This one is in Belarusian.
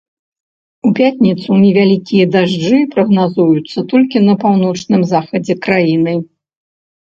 У пятніцу невялікія дажджы прагназуюцца толькі на паўночным захадзе краіны.